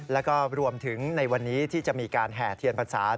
แล้วก็รวมถึงในวันนี้ที่จะมีการแห่เทียนภัณฑ์ศาสตร์